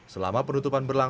selama penutupan berjalan